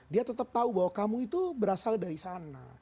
dia tetap tahu bahwa kamu itu berasal dari sana